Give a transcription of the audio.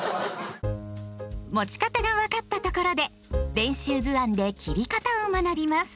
持ち方が分かったところで練習図案で切り方を学びます。